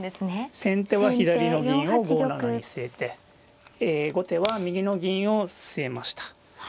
先手は左の銀を５七に据えて後手は右の銀を据えました。